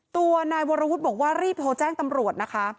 ตัวนายวรวุฒิบอกว่ารีบโทรแจ้งตำรวจนะคะ